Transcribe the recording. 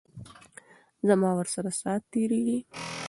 زما ورسره ساعت تیریږي.